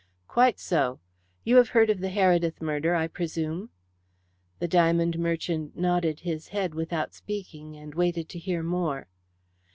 "Quite so. You have heard of the Heredith murder, I presume." The diamond merchant nodded his head without speaking, and waited to hear more.